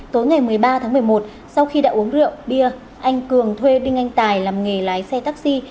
tối ngày một mươi ba tháng một mươi một sau khi đã uống rượu bia anh cường thuê đinh anh tài làm nghề lái xe taxi